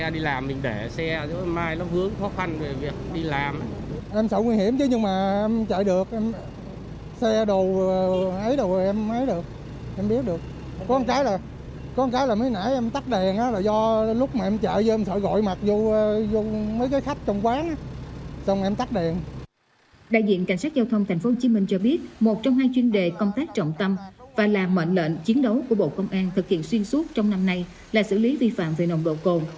đại diện cảnh sát giao thông tp hcm cho biết một trong hai chuyên đề công tác trọng tâm và là mệnh lệnh chiến đấu của bộ công an thực hiện xuyên suốt trong năm nay là xử lý vi phạm về nồng độ cồn